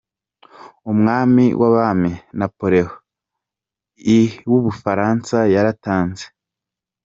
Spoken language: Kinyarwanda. Umwami w’abami Napoleon I w’ubufaransa, yaratanze.